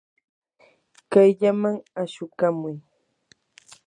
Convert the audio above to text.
kayllaman ashukamuy.